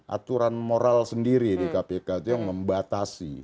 aturan moral sendiri di kpk itu yang membatasi